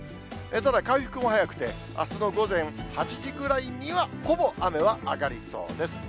ただ、回復も早くて、あすの午前８時ぐらいにはほぼ雨は上がりそうです。